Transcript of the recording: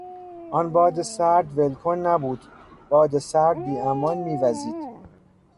آن باد سرد ول کن نبود، باد سرد بیامان میوزید.